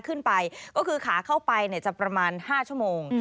ขึ้นไปก็คือขาเข้าไปจะประมาณ๕ชั่วโมง